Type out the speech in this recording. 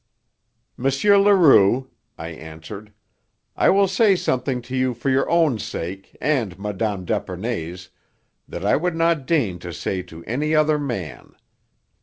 "M. Leroux," I answered, "I will say something to you for your own sake, and Mme. d'Epernay's, that I would not deign to say to any other man.